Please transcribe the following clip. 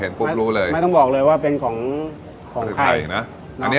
ปุ๊บรู้เลยไม่ต้องบอกเลยว่าเป็นของของไทยนะอันนี้